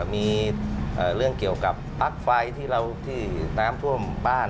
มีเรื่องเกี่ยวกับปลั๊กไฟที่น้ำท่วมบ้าน